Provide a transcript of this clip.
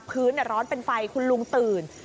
พื้นร้อนเป็นไฟคุณลุงตื่น